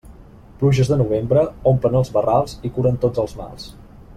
Pluges de novembre, omplen els barrals i curen tots els mals.